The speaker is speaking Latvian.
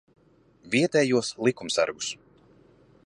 Vietējos likumsargus.